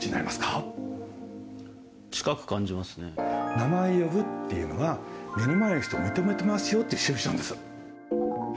名前を呼ぶっていうのは目の前の人を認めていますよということなんです。